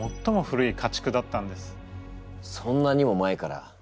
そんなにも前から。